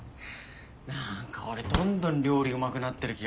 何か俺どんどん料理うまくなってる気がするわ。